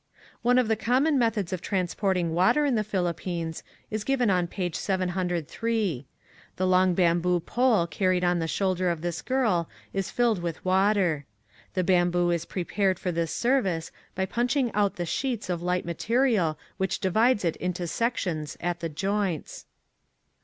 One of the common methods of trans porting water in the Philippines is given on page 703. The long bamboo pole car ried on the shoulder of this girl is filled with water. The bamboo is prepared for this service by ]5unching out the sheets of light material which divides it into sections at the joints.